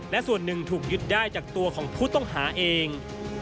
และส่วนหนึ่งถึงหยุดได้จากตัวพูต้องฐาเอง